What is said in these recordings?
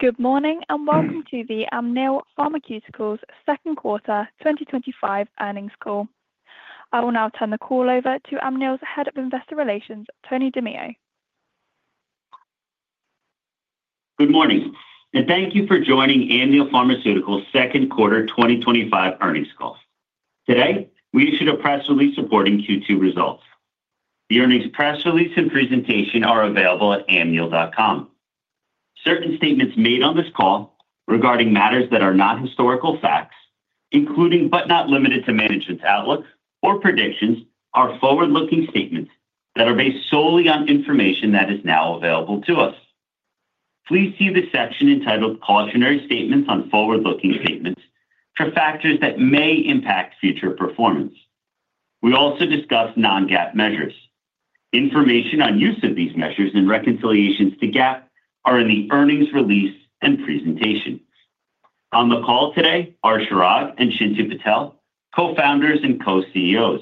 Good morning and welcome to the Amneal Pharmaceuticals Second Quarter 2025 Earnings Call. I will now turn the call over to Amneal's Head of Investor Relations, Anthony DiMeo Good morning and thank you for joining Amneal Pharmaceuticals second quarter 2025 earnings call. Today, we issue the press release reporting Q2 results. The earnings press release and presentation are available at amneal.com. Certain statements made on this call regarding matters that are not historical facts, including but not limited to management's outlook or predictions, are forward-looking statements that are based solely on information that is now available to us. Please see the section entitled "Cautionary Statements on Forward-Looking Statements" for factors that may impact future performance. We also discuss non-GAAP measures. Information on use of these measures and reconciliations to GAAP are in the earnings release and presentation. On the call today are Chirag and Chintu Patel, co-founders and co-CEOs,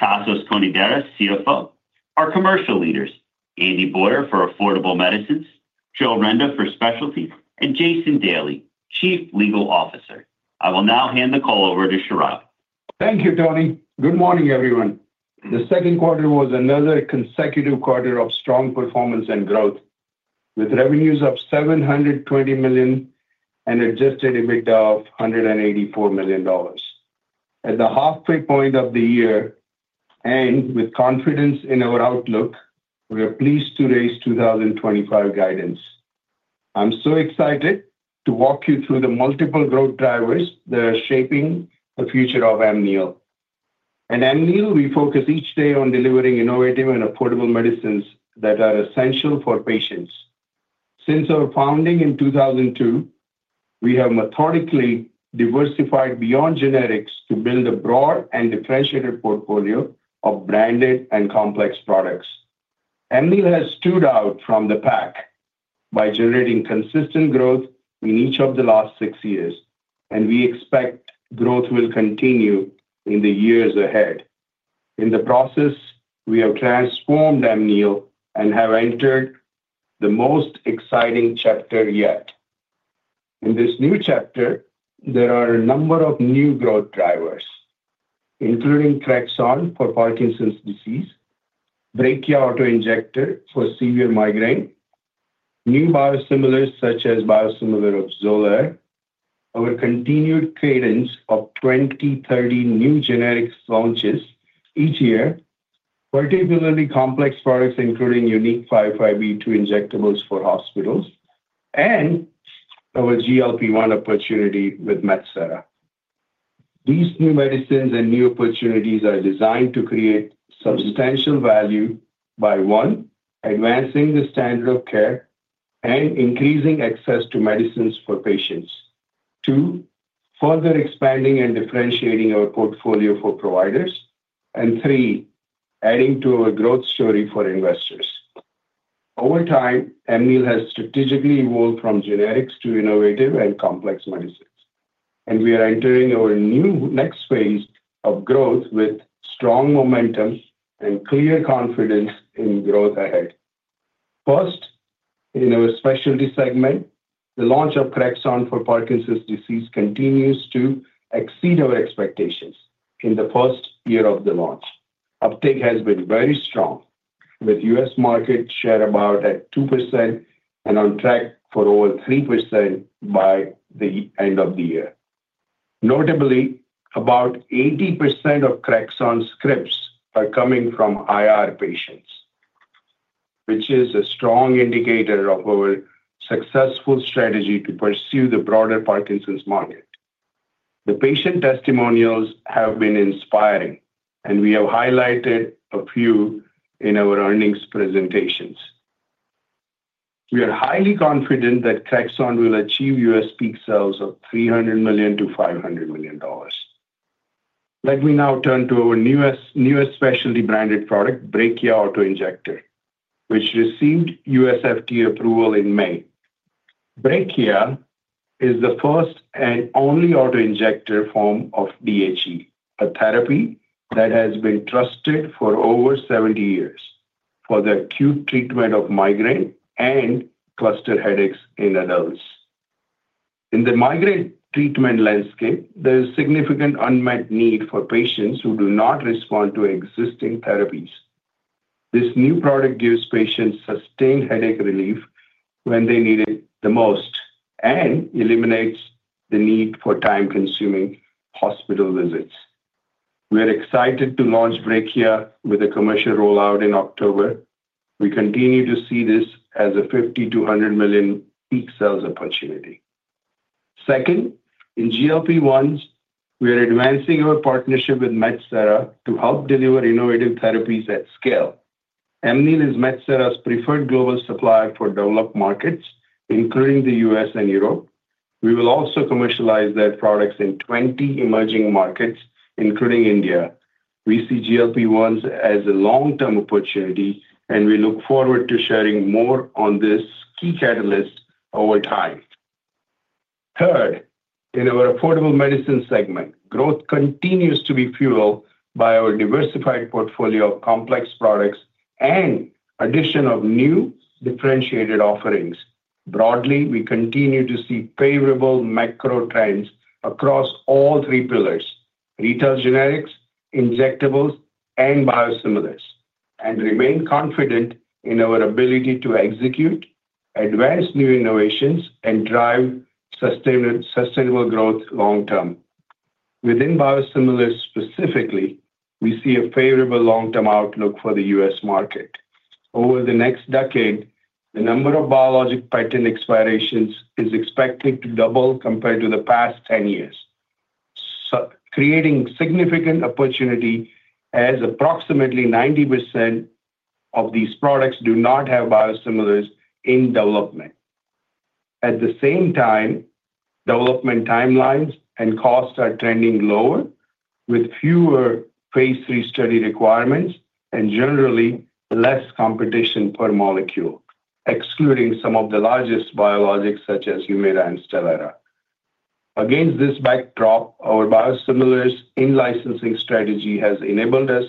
Tasos Konidaris, CFO, our commercial leaders: Amy Boyer for Affordable Medicines, Joe Renda for Specialties, and Jason Daly, Chief Legal Officer. I will now hand the call over to Chirag. Thank you, Tony. Good morning, everyone. The second quarter was another consecutive quarter of strong performance and growth, with revenues of $720 million and an adjusted EBITDA of $184 million. At the halfway point of the year, and with confidence in our outlook, we are pleased to raise 2025 guidance. I'm so excited to walk you through the multiple growth drivers that are shaping the future of Amneal. At Amneal, we focus each day on delivering innovative and affordable medicines that are essential for patients. Since our founding in 2002, we have methodically diversified beyond generics to build a broad and differentiated portfolio of branded and complex products. Amneal has stood out from the pack by generating consistent growth in each of the last six years, and we expect growth will continue in the years ahead. In the process, we have transformed Amneal and have entered the most exciting chapter yet. In this new chapter, there are a number of new growth drivers, including Trexon for Parkinson's disease, brachial autoinjector for severe migraine, new biosimilars such as biosimilar XOLAIR, our continued cadence of 20-30 new generics launches each year, particularly complex products including unique 5-5B2 injectables for hospitals, and our GLP-1 opportunity with Metsera. These new medicines and new opportunities are designed to create substantial value by, one, advancing the standard of care and increasing access to medicines for patients, two, further expanding and differentiating our portfolio for providers, and three, adding to our growth story for investors. Over time, Amneal has strategically evolved from generics to innovative and complex medicines, and we are entering our new next phase of growth with strong momentum and clear confidence in growth ahead. First, in our specialty segment, the launch of Trexon for Parkinson's disease continues to exceed our expectations in the first year of the launch. Uptake has been very strong, with the U.S. market share about at 2% and on track for over 3% by the end of the year. Notably, about 80% of Trexon's scripts are coming from IR patients, which is a strong indicator of our successful strategy to pursue the broader Parkinson's market. The patient testimonials have been inspiring, and we have highlighted a few in our earnings presentations. We are highly confident that Trexon will achieve U.S. peak sales of $300 million-$500 million. Let me now turn to our newest specialty branded product, brachial autoinjector, which received U.S. FDA approval in May. Brachial is the first and only autoinjector form of DHE, a therapy that has been trusted for over 70 years for the acute treatment of migraine and cluster headaches in adults. In the migraine treatment landscape, there is a significant unmet need for patients who do not respond to existing therapies. This new product gives patients sustained headache relief when they need it the most and eliminates the need for time-consuming hospital visits. We are excited to launch brachial with a commercial rollout in October. We continue to see this as a $50 million-$100 million peak sales opportunity. Second, in GLP-1s, we are advancing our partnership with Metsera to help deliver innovative therapies at scale. Amneal is Metsera's preferred global supplier for developed markets, including the U.S. and Europe. We will also commercialize their products in 20 emerging markets, including India. We see GLP-1s as a long-term opportunity, and we look forward to sharing more on this key catalyst over time. Third, in our Affordable Medicines segment, growth continues to be fueled by our diversified portfolio of complex products and the addition of new differentiated offerings. Broadly, we continue to see favorable macro trends across all three pillars: retail generics, injectables, and biosimilars, and remain confident in our ability to execute advanced new innovations and drive sustainable growth long term. Within biosimilars specifically, we see a favorable long-term outlook for the U.S. market. Over the next decade, the number of biologic patent expirations is expected to double compared to the past 10 years, creating a significant opportunity as approximately 90% of these products do not have biosimilars in development. At the same time, development timelines and costs are trending lower, with fewer Phase III study requirements and generally less competition per molecule, excluding some of the largest biologics such as Humira and Stelara. Against this backdrop, our biosimilars in-licensing strategy has enabled us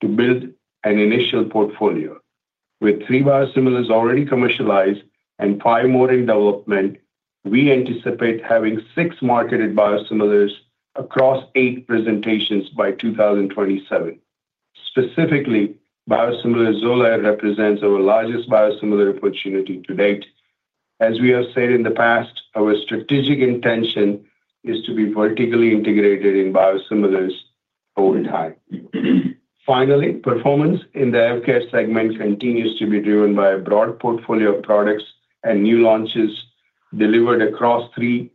to build an initial portfolio. With three biosimilars already commercialized and five more in development, we anticipate having six marketed biosimilars across eight presentations by 2027. Specifically, biosimilar XOLAIR represents our largest biosimilar opportunity today. As we have said in the past, our strategic intention is to be vertically integrated in biosimilars over time. Finally, performance in the healthcare segment continues to be driven by a broad portfolio of products and new launches delivered across three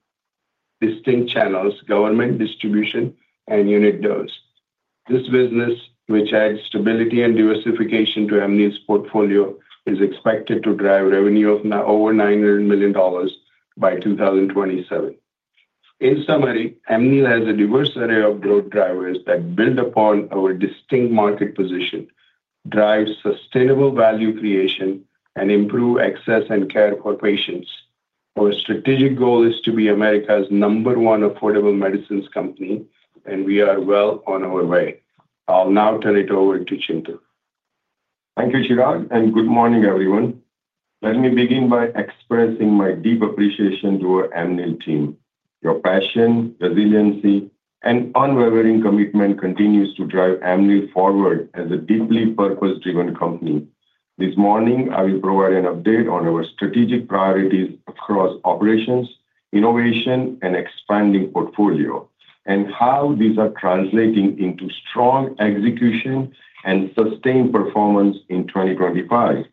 distinct channels: government, distribution, and unit dose. This business, which adds stability and diversification to Amneal's portfolio, is expected to drive revenue of over $900 million by 2027. In summary, Amneal has a diverse array of growth drivers that build upon our distinct market position, drive sustainable value creation, and improve access and care for patients. Our strategic goal is to be America's number one affordable medicines company, and we are well on our way. I'll now turn it over to Chintu. Thank you, Chirag, and good morning, everyone. Let me begin by expressing my deep appreciation to our Amneal team. Your passion, resiliency, and unwavering commitment continue to drive Amneal forward as a deeply purpose-driven company. This morning, I will provide an update on our strategic priorities across operations, innovation, and expanding portfolio, and how these are translating into strong execution and sustained performance in 2025.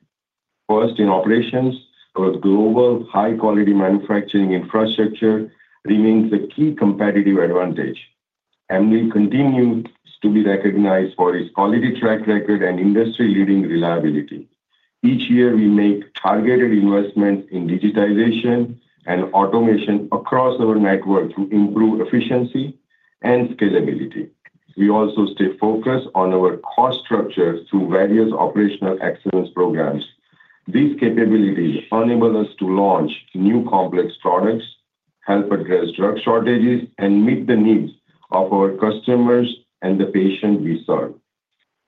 First, in operations, our global high-quality manufacturing infrastructure remains a key competitive advantage. Amneal continues to be recognized for its quality track record and industry-leading reliability. Each year, we make targeted investments in digitization and automation across our network to improve efficiency and scalability. We also stay focused on our cost structure through various operational excellence programs. These capabilities enable us to launch new complex products, help address drug shortages, and meet the needs of our customers and the patients we serve.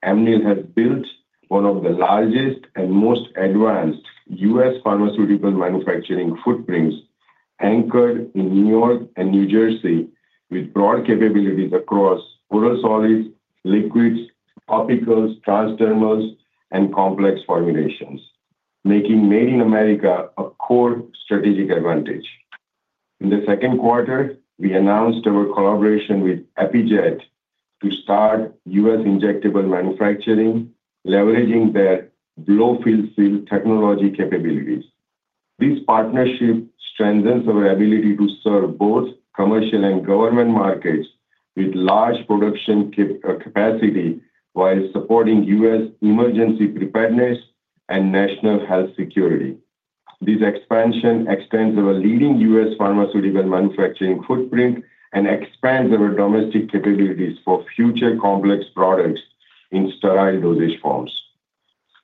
Amneal has built one of the largest and most advanced U.S. pharmaceutical manufacturing footprints anchored in Newark and New Jersey, with broad capabilities across oral solids, liquids, topicals, transdermals, and complex formulations, making Made in America a core strategic advantage. In the second quarter, we announced our collaboration with Apiject to start U.S. injectable manufacturing, leveraging their low-field technology capabilities. This partnership strengthens our ability to serve both commercial and government markets with large production capacity while supporting U.S. emergency preparedness and national health security. This expansion extends our leading U.S. pharmaceutical manufacturing footprint and expands our domestic capabilities for future complex products in sterile dosage forms.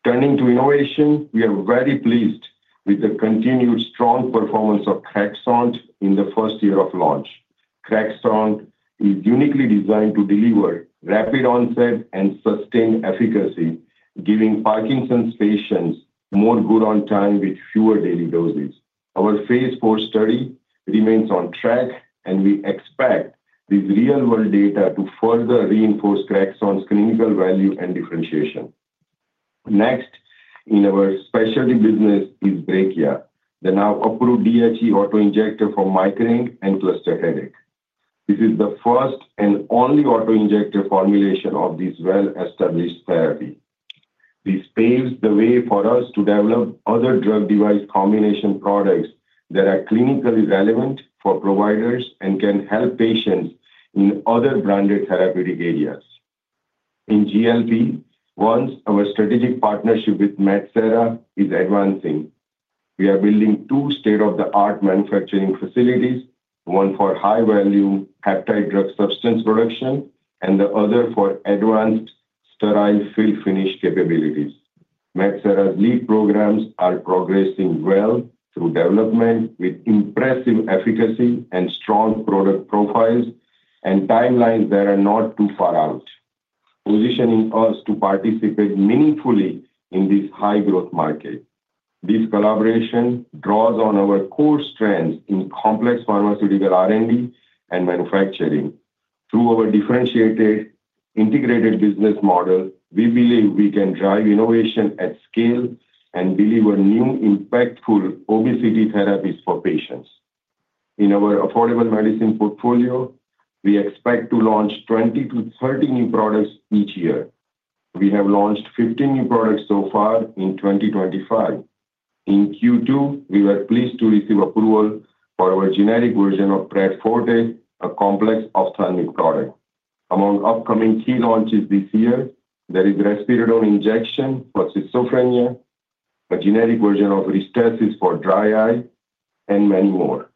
Turning to innovation, we are very pleased with the continued strong performance of Trexon in the first year of launch. Trexon is uniquely designed to deliver rapid onset and sustained efficacy, giving Parkinson's patients more good on time with fewer daily doses. Our phase IV study remains on track, and we expect these real-world data to further reinforce Trexon's clinical value and differentiation. Next, in our specialty business is brachial, the now approved DHE autoinjector for migraine and cluster headache. This is the first and only autoinjector formulation of this well-established therapy. This paves the way for us to develop other drug-device combination products that are clinically relevant for providers and can help patients in other branded therapeutic areas. In GLP-1s, our strategic partnership with Metsera is advancing. We are building two state-of-the-art manufacturing facilities, one for high-value hepatitis drug substance production and the other for advanced sterile fill finish capabilities. Metsera's lead programs are progressing well through development, with impressive efficacy and strong product profiles and timelines that are not too far out, positioning us to participate meaningfully in this high-growth market. This collaboration draws on our core strengths in complex pharmaceutical R&D and manufacturing. Through our differentiated integrated business model, we believe we can drive innovation at scale and deliver new impactful obesity therapies for patients. In our affordable medicine portfolio, we expect to launch 20-30 new products each year. We have launched 15 new products so far in 2025. In Q2, we were pleased to receive approval for our generic version of Pred Forte, a complex ophthalmic product. Among upcoming key launches this year, there is Restriodon injection for schizophrenia, a generic version of Restasis for dry eye, and many more.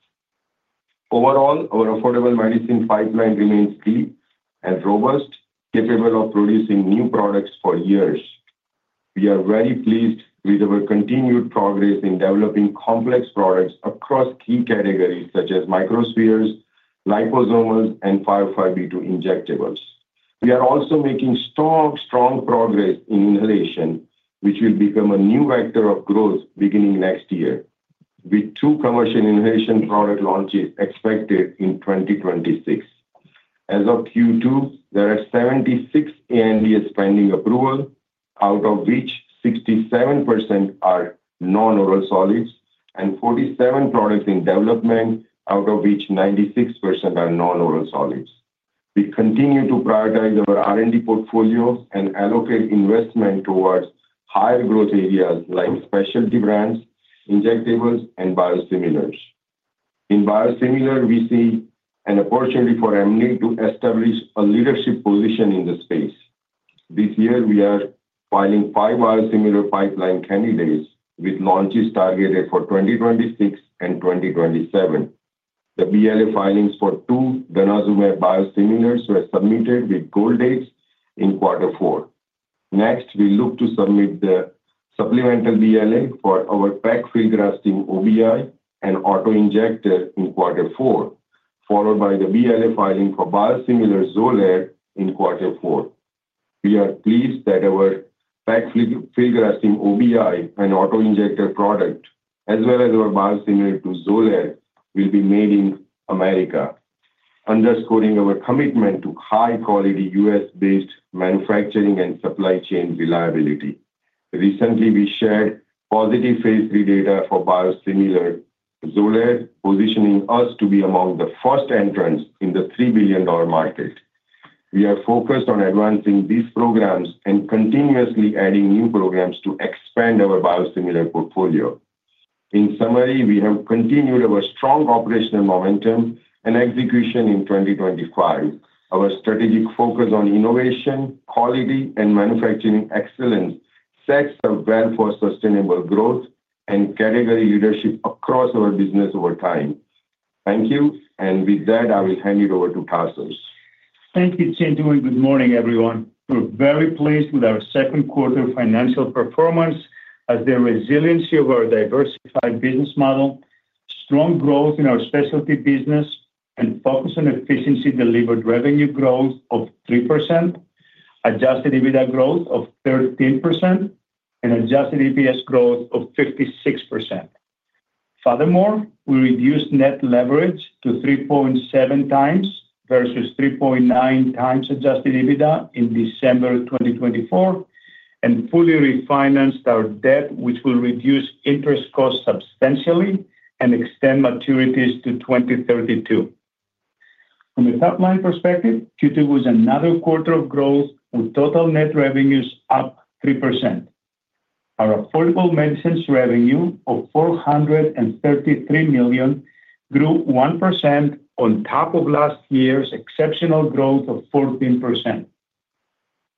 Overall, our affordable medicine pipeline remains steep and robust, capable of producing new products for years. We are very pleased with our continued progress in developing complex products across key categories such as microspheres, liposomals, and 5-5B2 injectables. We are also making strong, strong progress in inhalation, which will become a new vector of growth beginning next year, with two commercial inhalation product launches expected in 2026. As of Q2, there are 76 ANDAs pending approval, out of which 67% are non-oral solids and 47 products in development, out of which 96% are non-oral solids. We continue to prioritize our R&D portfolio and allocate investment towards higher growth areas like specialty brands, injectables, and biosimilars. In biosimilars, we see an opportunity for Amneal Pharmaceuticals to establish a leadership position in the space. This year, we are filing five biosimilar pipeline candidates with launches targeted for 2026 and 2027. The BLA filings for two denosumab biosimilars were submitted with goal dates in Q4. Next, we look to submit the supplemental BLA for our PEG-free grafting OBI and autoinjector in Q4, followed by the BLA filing for biosimilar XOLAIR in Q4. We are pleased that our PEG-free grafting OBI and autoinjector product, as well as our biosimilar to XOLAIR, will be made in the United States, underscoring our commitment to high-quality U.S.-based manufacturing and supply chain reliability. Recently, we shared positive Phase III data for biosimilar XOLAIR, positioning us to be among the first entrants in the $3 billion market. We are focused on advancing these programs and continuously adding new programs to expand our biosimilar portfolio. In summary, we have continued our strong operational momentum and execution in 2025. Our strategic focus on innovation, quality, and manufacturing excellence sets the way for sustainable growth and category leadership across our business over time. Thank you, and with that, I will hand it over to Tasos. Thank you, Chintu. Good morning, everyone. We're very pleased with our second quarter financial performance as the resiliency of our diversified business model, strong growth in our specialty business, and focus on efficiency delivered revenue growth of 3%, adjusted EBITDA growth of 13%, and adjusted EPS growth of 56%. Furthermore, we reduced net leverage to 3.7 times versus 3.9 times adjusted EBITDA in December 2024 and fully refinanced our debt, which will reduce interest costs substantially and extend maturities to 2032. From a top-line perspective, Q2 was another quarter of growth, with total net revenues up 3%. Our Affordable Medicines revenue of $433 million grew 1% on top of last year's exceptional growth of 14%.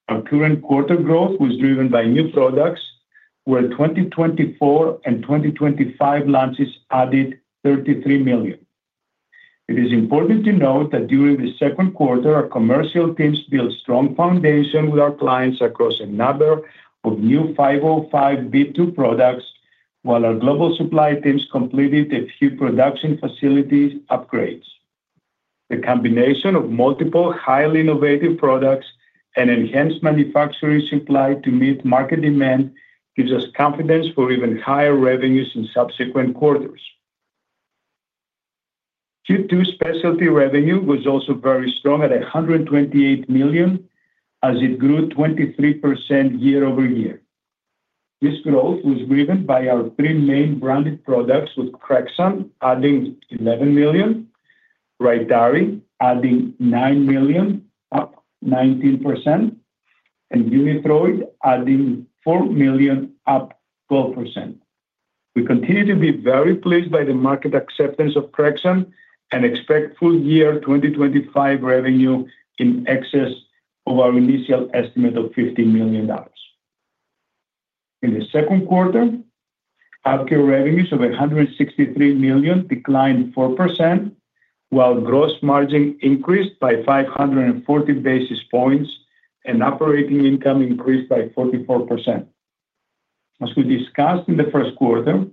Our current quarter growth was driven by new products, where 2024 and 2025 launches added $33 million. It is important to note that during the second quarter, our commercial teams built a strong foundation with our clients across a number of new 505(b)(2) products, while our global supply teams completed a few production facility upgrades. The combination of multiple highly innovative products and enhanced manufacturing supply to meet market demand gives us confidence for even higher revenues in subsequent quarters. Q2 specialty revenue was also very strong at $128 million, as it grew 23% year-over-year. This growth was driven by our three main branded products, with Trexon adding $11 million, RYTARY adding $9 million, up 19%, and Unithroid adding $4 million, up 12%. We continue to be very pleased by the market acceptance of Trexon and expect full-year 2025 revenue in excess of our initial estimate of $15 million. In the second quarter, other revenues of $163 million declined 4%, while gross margin increased by 540 basis points and operating income increased by 44%. As we discussed in the first quarter,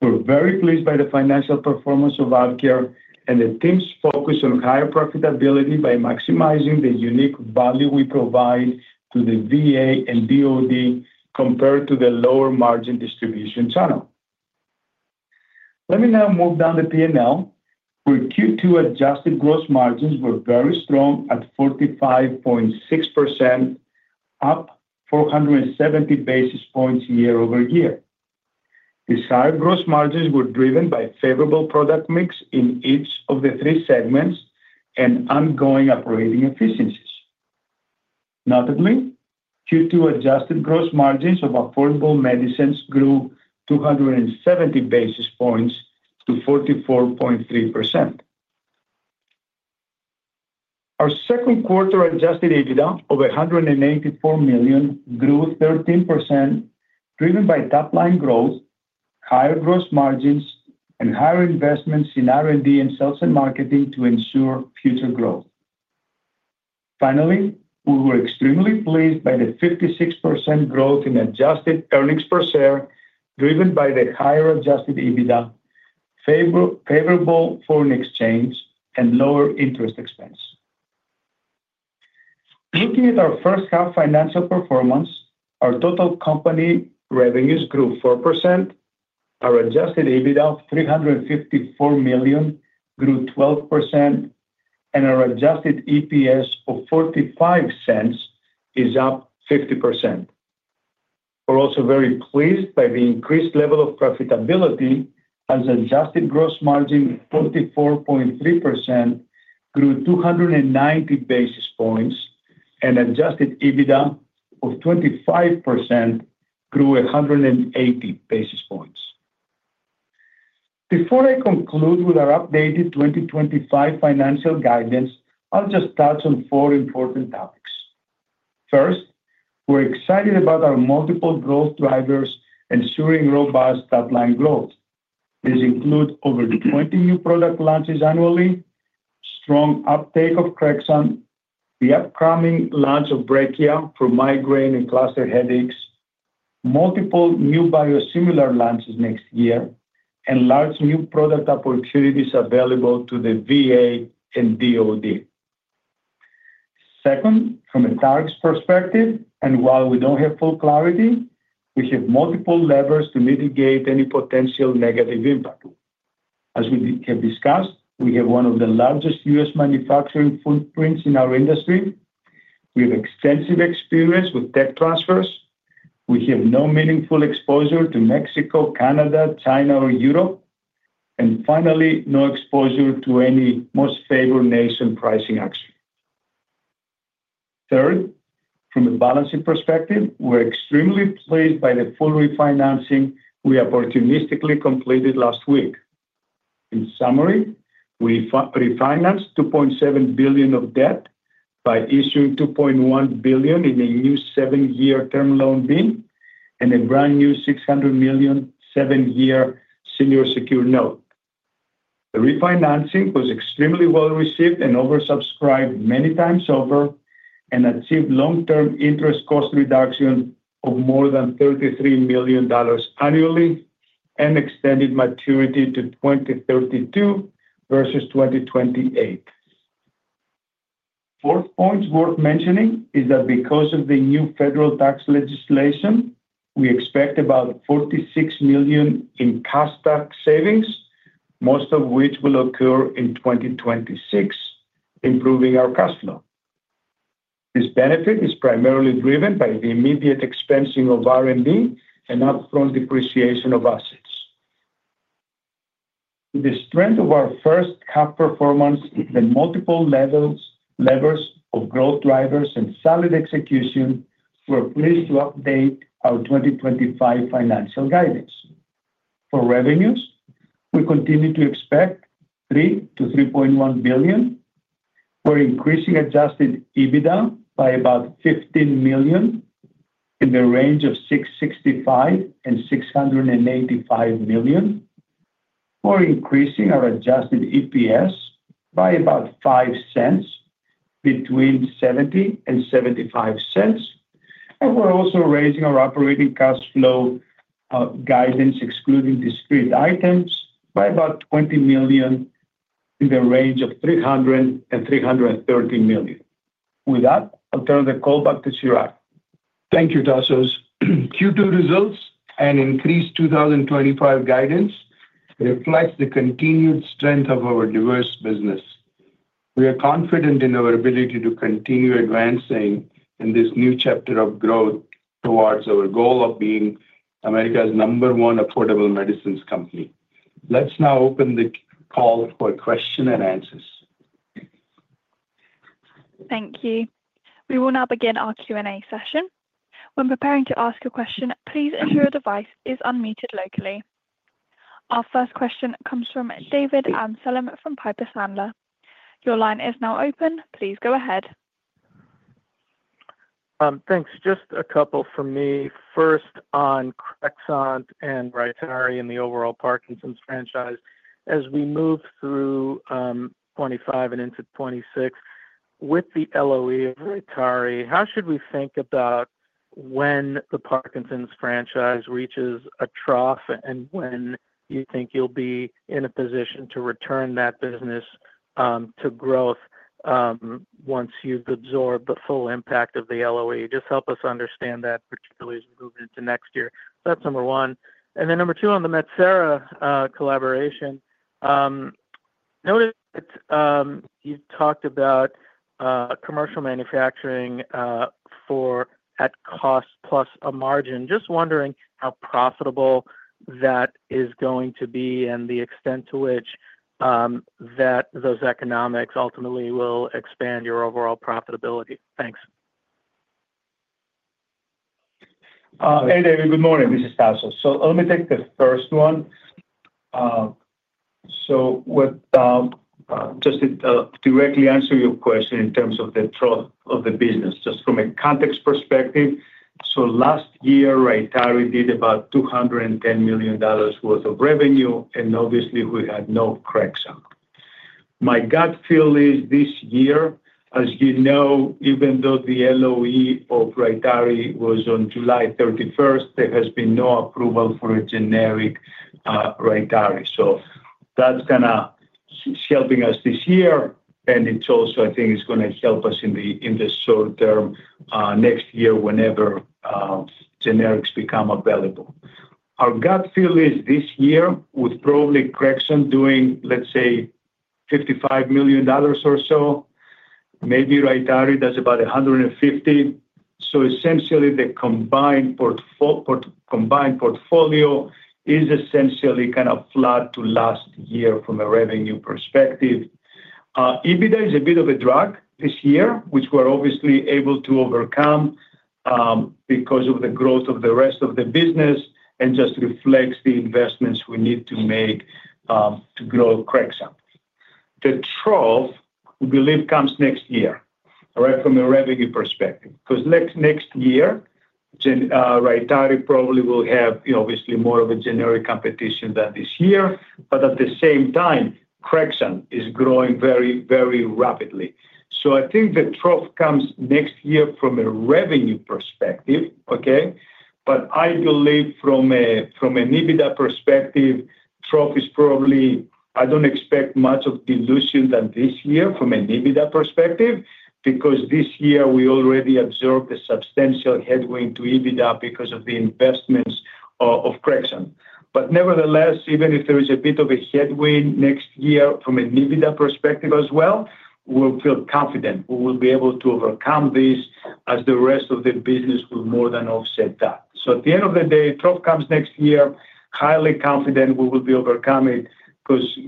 we're very pleased by the financial performance of AvKARE and the team's focus on higher profitability by maximizing the unique value we provide to the VA and DOD compared to the lower margin distribution channel. Let me now move down the P&L, where Q2 adjusted gross margins were very strong at 45.6%, up 470 basis points year-over-year. These higher gross margins were driven by favorable product mix in each of the three segments and ongoing operating efficiencies. Notably, Q2 adjusted gross margins of Affordable Medicines grew 270 basis points to 44.3%. Our second quarter adjusted EBITDA of $184 million grew 13%, driven by top-line growth, higher gross margins, and higher investments in R&D and sales and marketing to ensure future growth. Finally, we were extremely pleased by the 56% growth in adjusted EPS, driven by the higher adjusted EBITDA, favorable foreign exchange, and lower interest expense. Looking at our first half financial performance, our total company revenues grew 4%, our adjusted EBITDA of $354 million grew 12%, and our adjusted EPS of $0.45 is up 50%. We're also very pleased by the increased level of profitability, as adjusted gross margin of 44.3% grew 290 basis points, and adjusted EBITDA of 25% grew 180 basis points. Before I conclude with our updated 2025 financial guidance, I'll just touch on four important topics. First, we're excited about our multiple growth drivers ensuring robust top-line growth. These include over 20 new product launches annually, strong uptake of Trexon, the upcoming launch of brachial autoinjector for migraine and cluster headaches, multiple new biosimilar launches next year, and large new product opportunities available to the VA and DOD. Second, from a target perspective, and while we don't have full clarity, we have multiple levers to mitigate any potential negative impact. As we have discussed, we have one of the largest U.S. manufacturing footprints in our industry. We have extensive experience with tech transfers. We have no meaningful exposure to Mexico, Canada, China, or Europe, and finally, no exposure to any most favored nation pricing action. Third, from a balancing perspective, we're extremely pleased by the full refinancing we opportunistically completed last week. In summary, we refinanced $2.7 billion of debt by issuing $2.1 billion in a new seven-year term loan deal and a brand new $600 million seven-year senior secure note. The refinancing was extremely well received and oversubscribed many times over and achieved long-term interest cost reductions of more than $33 million annually and extended maturity to 2032 versus 2028. Fourth point worth mentioning is that because of the new federal tax legislation, we expect about $46 million in cash tax savings, most of which will occur in 2026, improving our cash flow. This benefit is primarily driven by the immediate expensing of R&D and upfront depreciation of assets. With the strength of our first half performance and the multiple levers of growth drivers and solid execution, we're pleased to update our 2025 financial guidance. For revenues, we continue to expect $3 billion-$3.1 billion. We're increasing adjusted EBITDA by about $15 million in the range of $665 -million-$695 million. We're increasing our adjusted EPS by about $0.05 between $0.70 and $0.75, and we're also raising our operating cash flow guidance, excluding discrete items, by about $20 million in the range of $300 million-$330 million. With that, I'll turn the call back to Chirag. Thank you, Tasos. Q2 results and increased 2025 guidance reflect the continued strength of our diverse business. We are confident in our ability to continue advancing in this new chapter of growth towards our goal of being America's number one affordable medicines company. Let's now open the call for questions and answers. Thank you. We will now begin our Q&A session. When preparing to ask a question, please ensure the voice is unmuted locally. Our first question comes from David Amsellem from Piper Sandler. Your line is now open. Please go ahead. Thanks. Just a couple from me. First on Trexon and RYTARY in the overall Parkinson's franchise. As we move through 2025 and into 2026, with the LOE of RYTARY, how should we think about when the Parkinson's franchise reaches a trough and when you think you'll be in a position to return that business to growth once you've absorbed the full impact of the LOE? Just help us understand that, particularly as we move into next year. That's number one. Number two, on the Metsera collaboration, noted that you've talked about commercial manufacturing for at cost plus a margin. Just wondering how profitable that is going to be and the extent to which those economics ultimately will expand your overall profitability. Thanks. Hey, David. Good morning. This is Tasos. Let me take the first one. To directly answer your question in terms of the trough of the business, just from a context perspective, last year, RYTARY did about $210 million worth of revenue, and obviously, we had no Trexon. My gut feel is this year, as you know, even though the LOE of RYTARY was on July 31, there has been no approval for a generic RYTARY. That's going to help us this year, and I think it's going to help us in the short term next year whenever generics become available. Our gut feel is this year with probably Trexon doing, let's say, $55 million or so, maybe RYTARY does about $150 million. Essentially, the combined portfolio is kind of flat to last year from a revenue perspective. EBITDA is a bit of a drag this year, which we're able to overcome because of the growth of the rest of the business and just reflects the investments we need to make to grow Trexon. The trough we believe comes next year, right from a revenue perspective, because next year, RYTARY probably will have more of a generic competition than this year. At the same time, Trexon is growing very, very rapidly. I think the trough comes next year from a revenue perspective, okay? I believe from an EBITDA perspective, trough is probably I don't expect much of dilution than this year from an EBITDA perspective because this year we already absorbed a substantial headwind to EBITDA because of the investments of Trexon. Nevertheless, even if there is a bit of a headwind next year from an EBITDA perspective as well, we feel confident we will be able to overcome this as the rest of the business will more than offset that. At the end of the day, trough comes next year, highly confident we will be overcoming it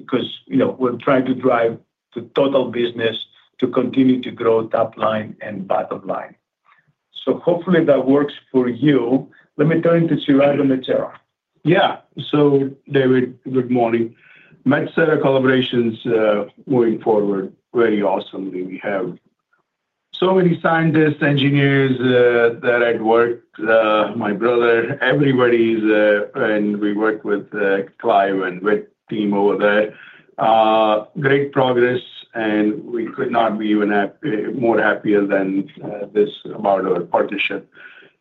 because we're trying to drive the total business to continue to grow top line and bottom line. Hopefully, that works for you. Let me turn to Chirag on Metsera. Yeah. David, good morning. Metsera collaboration is moving forward, very awesome. We have so many scientists, engineers that I've worked, my brother, everybody's there, and we work with Clive and with the team over there. Great progress, and we could not be even more happier than this about our partnership.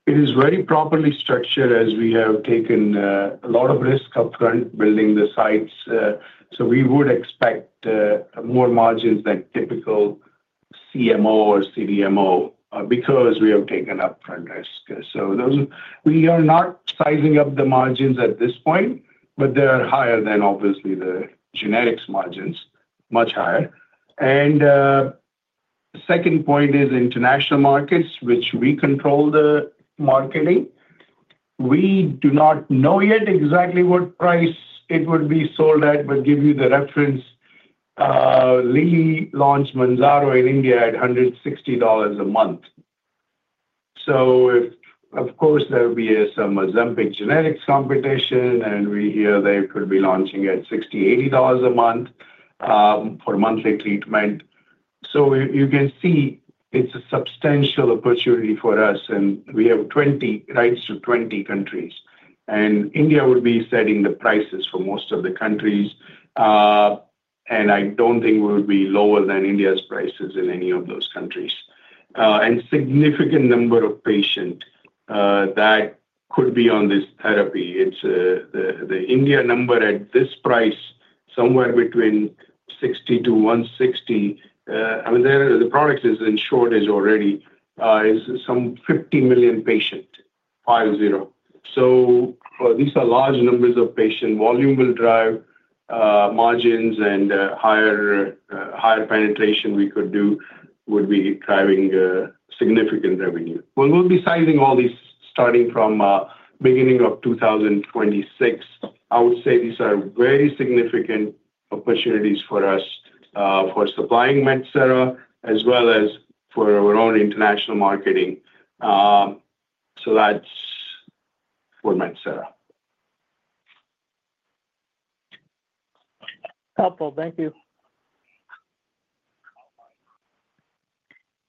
It is very properly structured as we have taken a lot of risk upfront building the sites. We would expect more margins than typical CMO or CDMO because we have taken upfront risk. We are not sizing up the margins at this point, but they are higher than, obviously, the generics margins, much higher. The second point is international markets, which we control the marketing. We do not know yet exactly what price it would be sold at, but to give you the reference, Lilly launched Manzaro in India at $160 a month. There will be some Ozempic generics competition, and we hear they could be launching at $60, $80 a month for monthly treatment. You can see it's a substantial opportunity for us, and we have rights to 20 countries. India would be setting the prices for most of the countries, and I don't think we would be lower than India's prices in any of those countries. A significant number of patients could be on this therapy, it's the India number at this price, somewhere between $60-$160. The product is in shortage already. It's some 50 million patients, five zero. These are large numbers of patients. Volume will drive margins and higher penetration. We could do what we're driving, significant revenue. When we're deciding all this, starting from the beginning of 2026, I would say these are very significant opportunities for us, for supplying Metsera as well as for our own international marketing. That's for Metsera. Helpful. Thank you.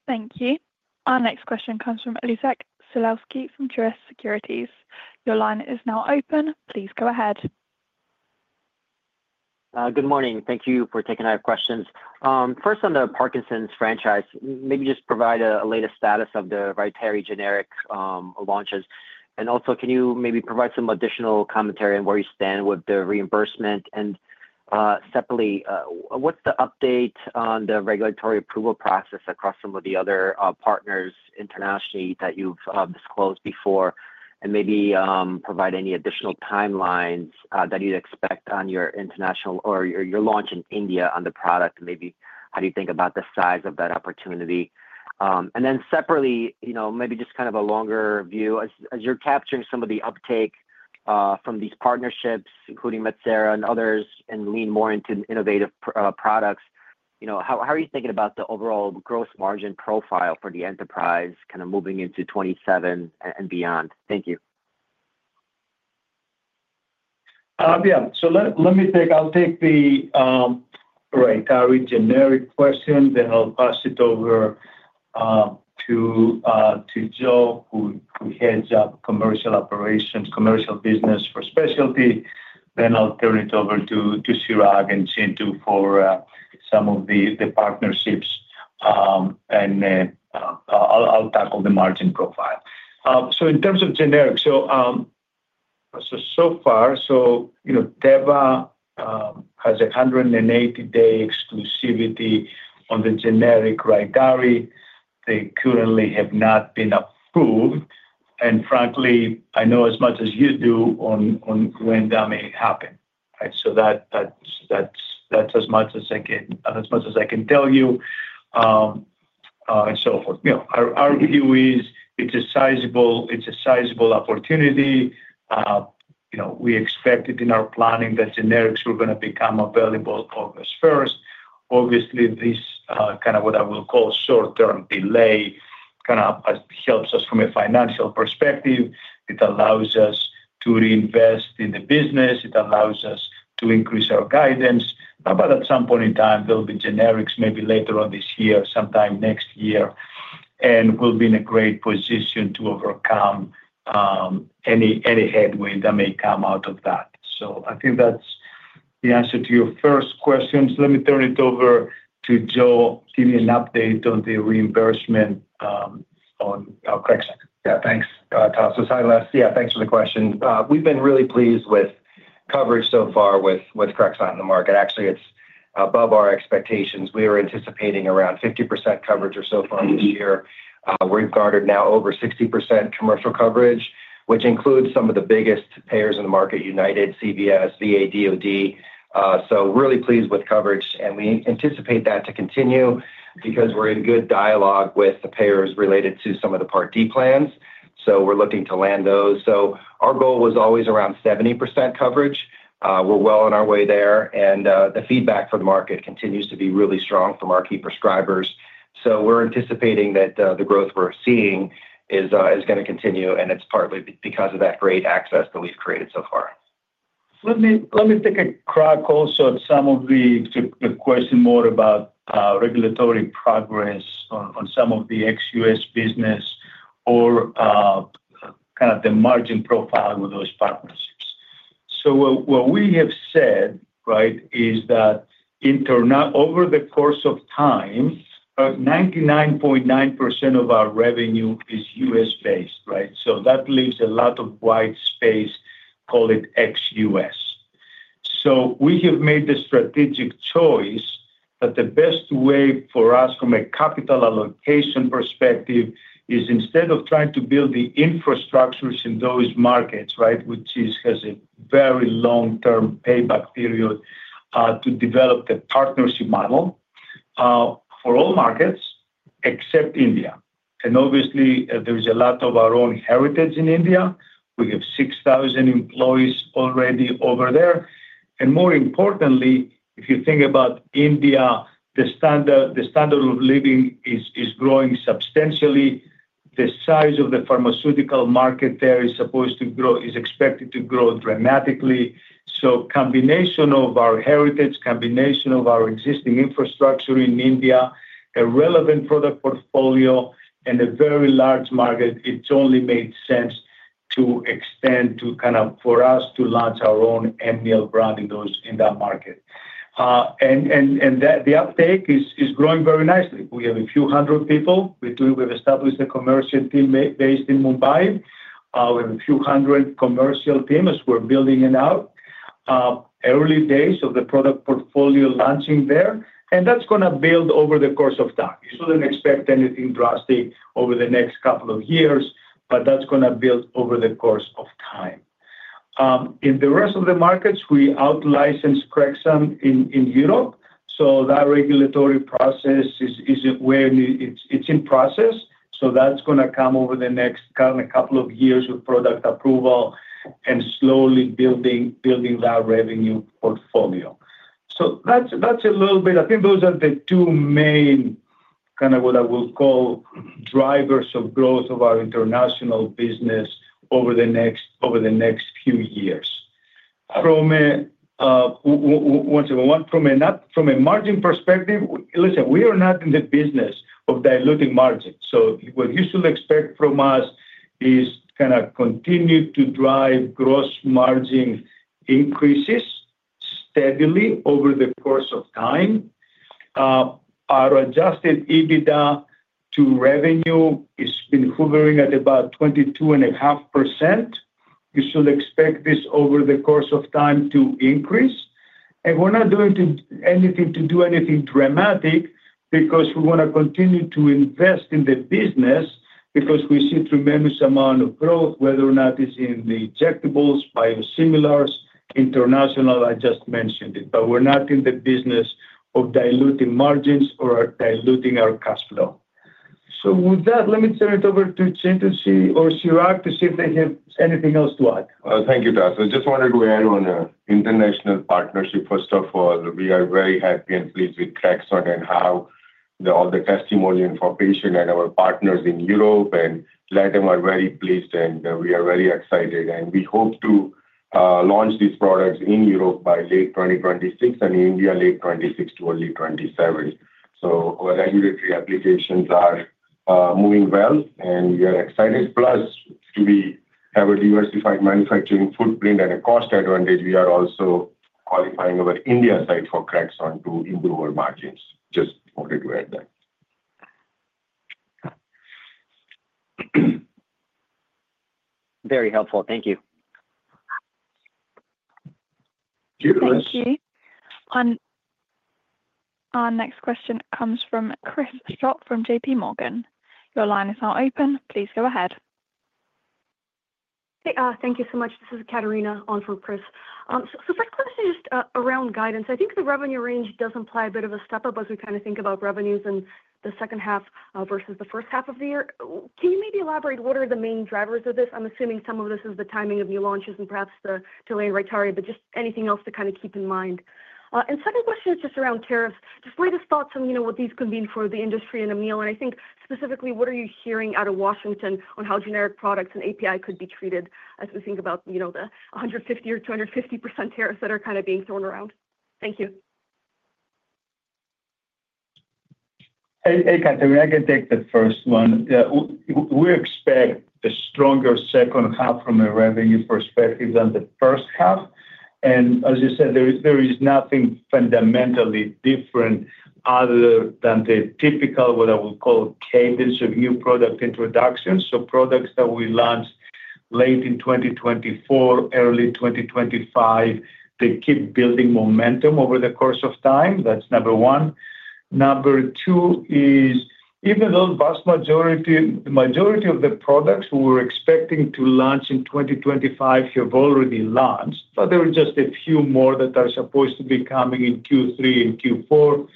Thank you. Our next question comes from Les Sulewski from Truist Securities. Your line is now open. Please go ahead. Good morning. Thank you for taking our questions. First, on the Parkinson's franchise, maybe just provide a latest status of the RYTARY generic launches. Also, can you maybe provide some additional commentary on where you stand with the reimbursement? Separately, what's the update on the regulatory approval process across some of the other partners internationally that you've disclosed before? Maybe provide any additional timelines that you'd expect on your international or your launch in India on the product. How do you think about the size of that opportunity? Separately, maybe just kind of a longer view, as you're capturing some of the uptake from these partnerships, including Metsera and others, and lean more into innovative products, how are you thinking about the overall gross margin profile for the enterprise kind of moving into 2027 and beyond? Thank you. Yeah. Let me take the RYTARY generic question, then I'll pass it over to Joe, who heads up Commercial Operations, Commercial Business for Specialty. I'll turn it over to Chirag and Chintu for some of the partnerships. I'll tackle the margin profile. In terms of generics, so far, Deva has a 180-day exclusivity on the generic RYTARY. They currently have not been approved. Frankly, I know as much as you do on when that may happen, right? That's as much as I can tell you. Our view is it's a sizable opportunity. We expected in our planning that generics were going to become available August 1. Obviously, this kind of what I will call short-term delay helps us from a financial perspective. It allows us to reinvest in the business. It allows us to increase our guidance. At some point in time, there will be generics maybe later on this year, sometime next year. We'll be in a great position to overcome any headwind that may come out of that. I think that's the answer to your first question. Let me turn it over to Joe, give you an update on the reimbursement on our Trexon. Yeah, thanks, Tasos. Thanks for the question. We've been really pleased with coverage so far with Trexon in the market. Actually, it's above our expectations. We were anticipating around 50% coverage or so far this year. We've garnered now over 60% commercial coverage, which includes some of the biggest payers in the market: United, CVS, VA, DOD. Really pleased with coverage, and we anticipate that to continue because we're in good dialogue with the payers related to some of the Part D plans. We're looking to land those. Our goal was always around 70% coverage. We're well on our way there, and the feedback from the market continues to be really strong from our key prescribers. We're anticipating that the growth we're seeing is going to continue, and it's partly because of that great access that we've created so far. Let me take a crack also at some of the questions more about regulatory progress on some of the ex-U.S. business or kind of the margin profile with those partners. What we have said, right, is that over the course of time, 99.9% of our revenue is U.S.-based, right? That leaves a lot of white space, call it ex-U.S. We have made the strategic choice that the best way for us from a capital allocation perspective is instead of trying to build the infrastructures in those markets, which has a very long-term payback period, to develop the partnership model for all markets except India. Obviously, there is a lot of our own heritage in India. We have 6,000 employees already over there. More importantly, if you think about India, the standard of living is growing substantially. The size of the pharmaceutical market there is expected to grow dramatically. A combination of our heritage, a combination of our existing infrastructure in India, a relevant product portfolio, and a very large market, it only made sense for us to launch our own Amneal brand in that market. The uptake is growing very nicely. We have a few hundred people. We have established a commercial team based in Mumbai. We have a few hundred commercial teams who are building it out. Early days of the product portfolio launching there, and that's going to build over the course of time. You shouldn't expect anything drastic over the next couple of years, but that's going to build over the course of time. In the rest of the markets, we out-license Trexon in Europe. That regulatory process is in process. That's going to come over the next couple of years with product approval and slowly building that revenue portfolio. Those are the two main drivers of growth of our international business over the next few years. Once again, not from a margin perspective, listen, we are not in the business of diluting margins. What you should expect from us is to continue to drive gross margin increases steadily over the course of time. Our adjusted EBITDA to revenue has been hovering at about 22.5%. You should expect this over the course of time to increase. We're not doing anything to do anything dramatic because we want to continue to invest in the business because we see a tremendous amount of growth, whether or not it's in the injectables, biosimilars, international, I just mentioned it. We're not in the business of diluting margins or diluting our cash flow. With that, let me turn it over to Chintu or Chirag to see if they have anything else to add. Thank you, Tasos. I just wanted to add on an international partnership. First of all, we are very happy and pleased with Trexon and how all the testimony and information and our partners in Europe and Latin America are very pleased, and we are very excited. We hope to launch these products in Europe by late 2026 and in India late 2026 to early 2027. Our regulatory applications are moving well, and we are excited. Plus, we have a diversified manufacturing footprint and a cost advantage. We are also qualifying our India site for Trexon to improve our margins. Just wanted to add that. Very helpful. Thank you. Thank you. Our next question comes from Chris Schott from JPMorgan. Your line is now open. Please go ahead. Thank you so much. This is Ekaterina on for Chris. First question is just around guidance. I think the revenue range does imply a bit of a step up as we kind of think about revenues in the second half versus the first half of the year. Can you maybe elaborate what are the main drivers of this? I'm assuming some of this is the timing of new launches and perhaps the delay in RYTARY, but just anything else to kind of keep in mind. Second question is just around tariffs. Latest thoughts on what these could mean for the industry and Amneal, and I think specifically what are you hearing out of Washington on how generic products and API could be treated as we think about the 150% or 250% tariffs that are kind of being thrown around? Thank you. Hey, Ekaterina. I can take the first one. Yeah, we expect a stronger second half from a revenue perspective than the first half. As you said, there is nothing fundamentally different other than the typical, what I would call, cadence of new product introductions. Products that we launch late in 2024, early 2025, they keep building momentum over the course of time. That's number one. Number two is even though the vast majority of the products we were expecting to launch in 2025 have already launched, there are just a few more that are supposed to be coming in Q3 and Q4.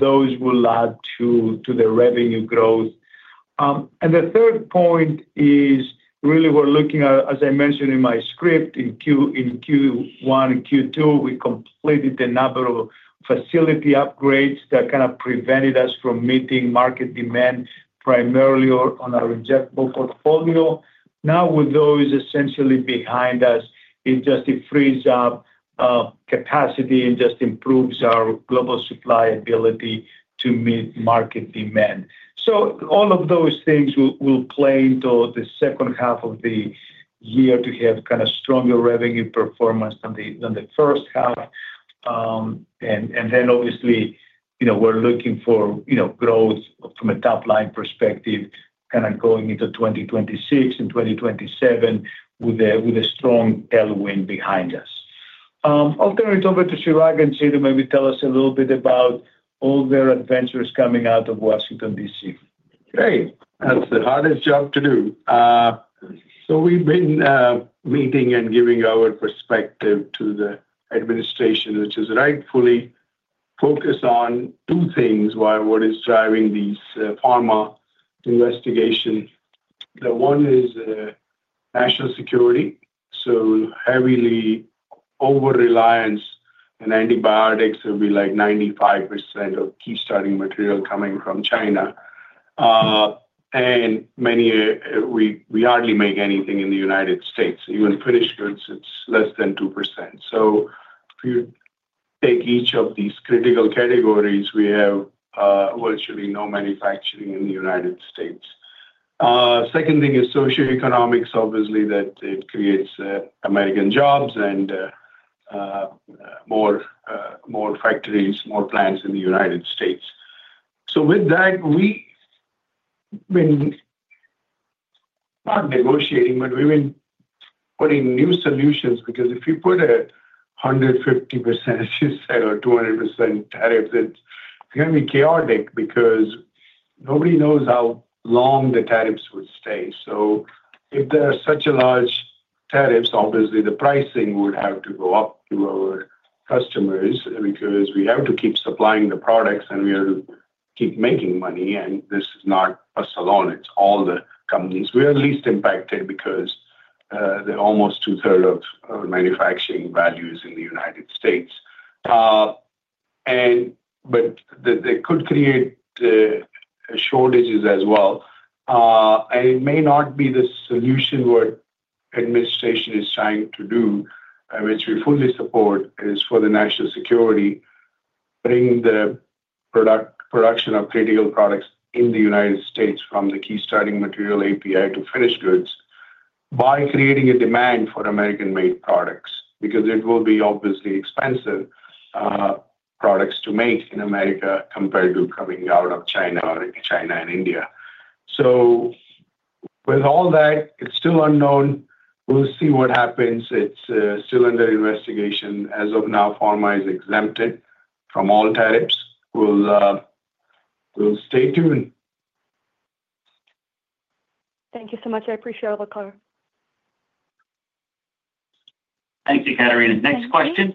Those will add to the revenue growth. The third point is really we're looking at, as I mentioned in my script, in Q1 and Q2, we completed a number of facility upgrades that kind of prevented us from meeting market demand primarily on our injectable portfolio. Now with those essentially behind us, it just frees up capacity and improves our global supply ability to meet market demand. All of those things will play into the second half of the year to have kind of stronger revenue performance than the first half. Obviously, we're looking for growth from a top-line perspective going into 2026 and 2027 with a strong tailwind behind us. I'll turn it over to Chirag and see if they maybe tell us a little bit about all their adventures coming out of Washington, D.C. Great. That's the hardest job to do. We've been meeting and giving our perspective to the administration, which is rightfully focused on two things: what is driving these pharma investigations. One is national security. Heavily over-reliance on antibiotics. It would be like 95% of key starting material coming from China. We hardly make anything in the United States. Even British goods, it's less than 2%. If you take each of these critical categories, we have virtually no manufacturing in the United States. Second thing is socioeconomics, obviously, that it creates American jobs and more factories, more plants in the United States. With that, we've been not negotiating, but we've been putting new solutions because if you put a 150% ship set or 200% tariffs, it's going to be chaotic because nobody knows how long the tariffs would stay. If there are such large tariffs, obviously, the pricing would have to go up to our customers because we have to keep supplying the products and we have to keep making money. This is not us alone. Of all the companies, we are least impacted because almost two-thirds of our manufacturing value is in the United States. That could create shortages as well. It may not be the solution. What the administration is trying to do, which we fully support, is for national security to bring the production of critical products to the United States from the key starting material API to finished goods by creating a demand for American-made products because it will be obviously expensive products to make in America compared to coming out of China or China and India. With all that, it's still unknown. We'll see what happens. It's still under investigation. As of now, pharma is exempted from all tariffs. We'll stay tuned. Thank you so much. I appreciate all the color. Thank you, Ekaterina. Next question.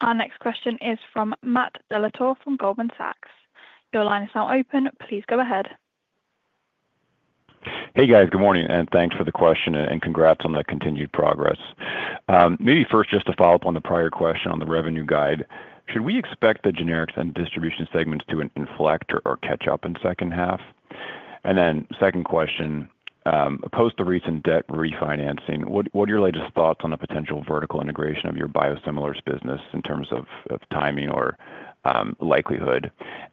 Our next question is from Matthew Dellatorre from Goldman Sachs. Your line is now open. Please go ahead. Hey, guys. Good morning, and thanks for the question, and congrats on the continued progress. Maybe first, just to follow up on the prior question on the revenue guide, should we expect the Generics and Distribution segments to inflect or catch up in the second half? Second question, post the recent debt refinancing, what are your latest thoughts on the potential vertical integration of your biosimilars business in terms of timing or likelihood?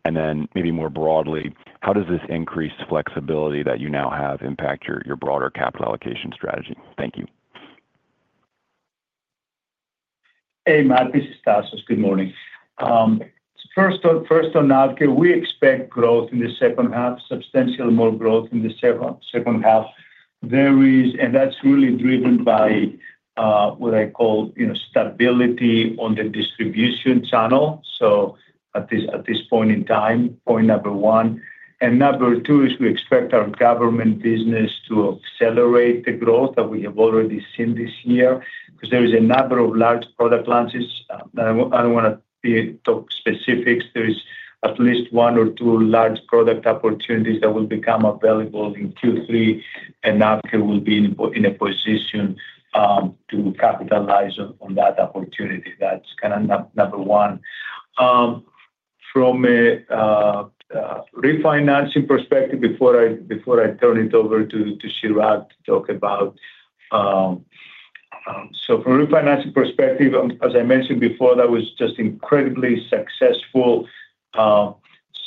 Maybe more broadly, how does this increased flexibility that you now have impact your broader capital allocation strategy? Thank you. Hey, Matt. This is Tasos. Good morning. First on that, we expect growth in the second half, substantial more growth in the second half. That is really driven by what I call stability on the distribution channel. At this point in time, point number one. Number two is we expect our government business to accelerate the growth that we have already seen this year because there is a number of large product launches. I don't want to talk specifics. There is at least one or two large product opportunities that will become available in Q3, and AvKARE will be in a position to capitalize on that opportunity. That's kind of number one. From a refinancing perspective, before I turn it over to Chirag to talk about, from a refinancing perspective, as I mentioned before, that was just incredibly successful.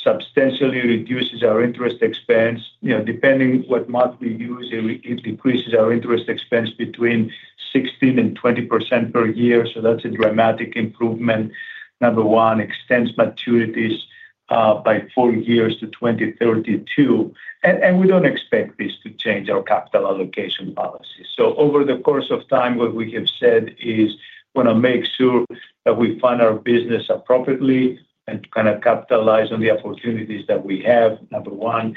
Substantially reduces our interest expense. Depending on what month we use, it decreases our interest expense between 16% and 20% per year. That's a dramatic improvement. Number one, extends maturities by four years to 2032. We don't expect this to change our capital allocation policy. Over the course of time, what we have said is we want to make sure that we fund our business appropriately and kind of capitalize on the opportunities that we have, number one.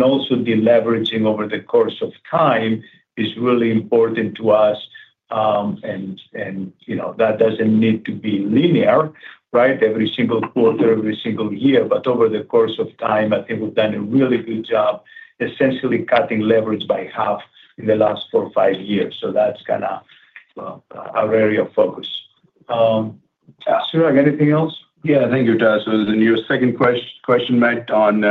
Also, deleveraging over the course of time is really important to us. That doesn't need to be linear, right? Every single quarter, every single year. Over the course of time, I think we've done a really good job, essentially cutting leverage by half in the last four or five years. That's kind of our area of focus. Chirag, anything else? Thank you, Tasos. Your second question meant on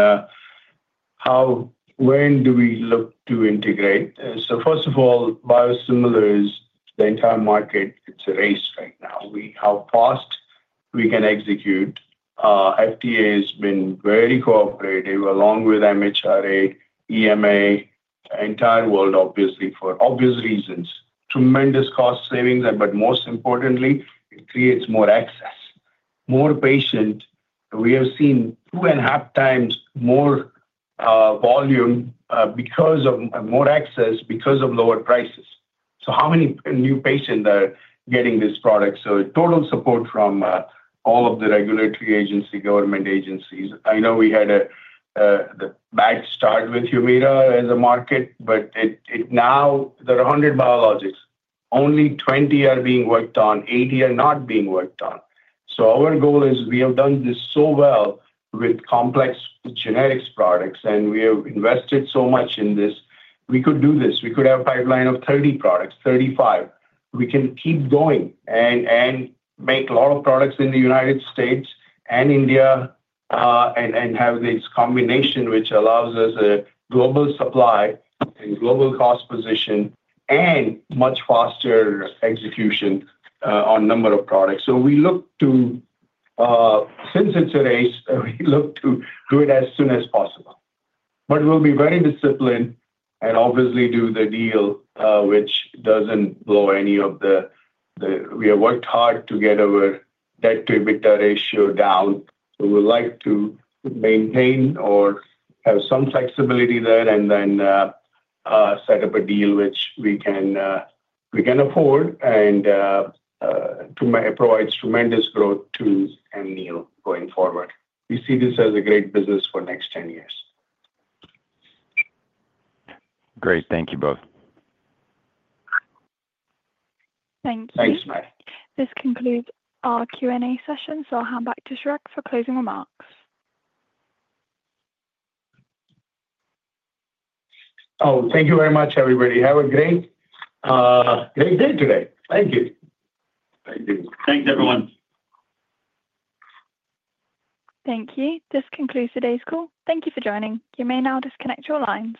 how when do we look to integrate. First of all, biosimilars, the entire market, it's a race right now. How fast we can execute. FDA has been very cooperative along with MHRA, EMA, the entire world, obviously, for obvious reasons. Tremendous cost savings, but most importantly, it creates more access. More patients. We have seen 2.5 times more volume because of more access because of lower prices. How many new patients are getting this product? Total support from all of the regulatory agencies, government agencies. I know we had a bad start with Humira as a market, but now there are 100 biologists. Only 20 are being worked on. 80 are not being worked on. Our goal is we have done this so well with complex generics products, and we have invested so much in this. We could do this. We could have a pipeline of 30 products, 35. We can keep going and make a lot of products in the United States and India and have this combination, which allows us a global supply and global cost position and much faster execution on a number of products. Since it's a race, we look to do it as soon as possible. We'll be very disciplined and obviously do the deal, which doesn't blow any of the... We have worked hard to get our debt to EBITDA ratio down. We would like to maintain or have some flexibility there and then set up a deal which we can afford and provides tremendous growth to Amneal going forward. We see this as a great business for the next 10 years. Great. Thank you both. Thank you. Thanks, Matt. This concludes our Q&A session. I'll hand back to Chirag for closing remarks. Oh, thank you very much, everybody. Have a great, great day today. Thank you. Thanks, everyone. Thank you. This concludes today's call. Thank you for joining. You may now disconnect your lines.